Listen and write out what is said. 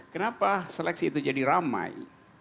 kenapa seleksi itu jadi ramai